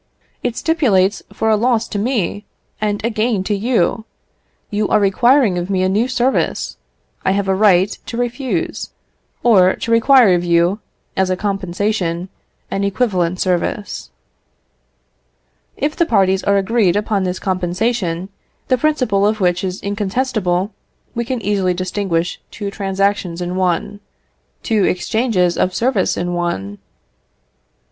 It stipulates for a loss to me, and a gain to you. You are requiring of me a new service; I have a right to refuse, or to require of you, as a compensation, an equivalent service." If the parties are agreed upon this compensation, the principle of which is incontestable, we can easily distinguish two transactions in one, two exchanges of service in one.